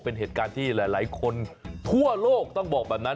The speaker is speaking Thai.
เป็นเหตุการณ์ที่หลายคนทั่วโลกต้องบอกแบบนั้น